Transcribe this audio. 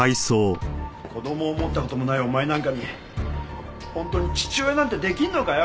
子供を持った事もないお前なんかに本当に父親なんて出来るのかよ！